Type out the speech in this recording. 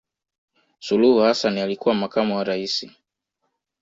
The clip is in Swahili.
suluhu hassan alikuwa makamu wa raisi